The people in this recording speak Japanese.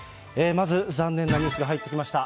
まず残念なニュースが入ってきました。